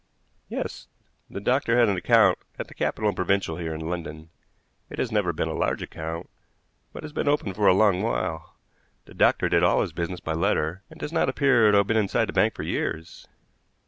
"Yes. The doctor had an account at the Capital and Provincial here in London. It has never been a large account, but has been open for a long while. The doctor did all his business by letter, and does not appear to have been inside the bank for years."